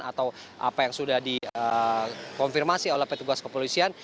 atau apa yang sudah dikonfirmasi oleh petugas kepolisian